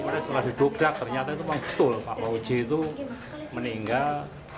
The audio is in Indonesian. setelah didobrak ternyata itu memang betul pak fauzi meninggal